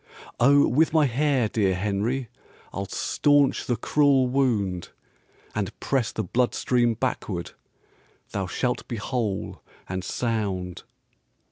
"Oh, with my hair, dear Henry, I'll staunch the cruel wound, And press the blood stream backward; Thou shalt be whole and sound."